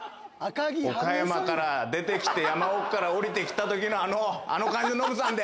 岡山から出てきて、山奥から降りてきたときの、あの感じのノブさんで。